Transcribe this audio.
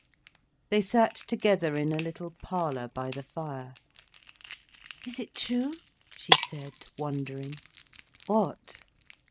They sat together in a little parlour by the fire. "Is it true?" she said, wondering. "What?"